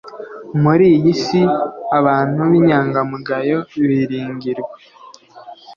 muri iyi si abantu b inyangamugayo biringirwa